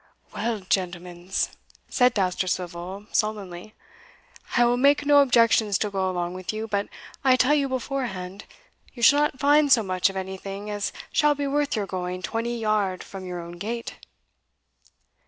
"Well, gentlemens," said Dousterswivel, sullenly, "I will make no objections to go along with you but I tell you beforehand, you shall not find so much of anything as shall be worth your going twenty yard from your own gate."